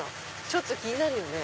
ちょっと気になるよね。